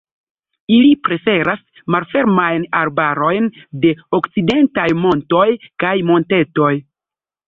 Ili preferas malfermajn arbarojn de okcidentaj montoj kaj montetoj.